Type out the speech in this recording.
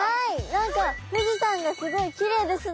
何か富士山がすごいきれいですね。